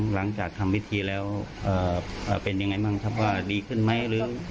หลังจากทำวิธีแล้วเป็นยังไงบ้างดีขึ้นไหม